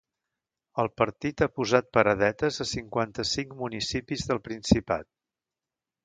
El partit ha posat paradetes a cinquanta-cinc municipis del Principat.